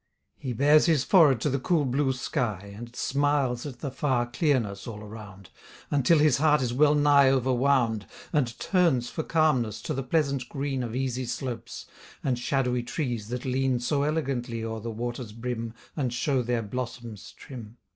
He bares his forehead to the cool blue sky, And smiles at the far clearness all around, Until his heart is well nigh over wound, And turns for calmness to the pleasant green Of easy slopes, and shadowy trees that lean So elegantly o'er the waters' brim And show their blossoms trim.